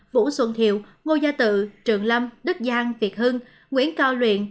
vũ xuân thiệu ngôi gia tự trường lâm đức giang việt hưng nguyễn cao luyện